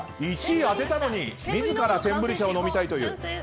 １位当てたのに自らセンブリ茶を飲みたいという。